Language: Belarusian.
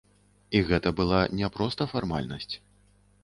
І гэта была не проста фармальнасць.